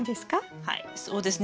はいそうですね